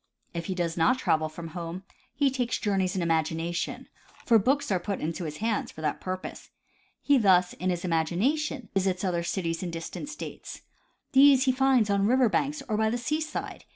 If he does not travel from home he takes journeys in imagination, for books are put into his hands for that purpose. He thus, in im agination, visits other cities in distant states. These he finds on river banks or by the seaside.